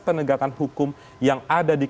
penegakan hukum yang ada di